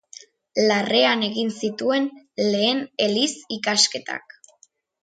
Larrean egin zituen lehen eliz ikasketak.